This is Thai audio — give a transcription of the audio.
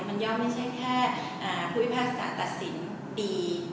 มันย่อมไม่ใช่แค่ผู้พิพากษาตัดสินดี